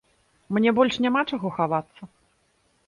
Мне больш няма чаго хавацца.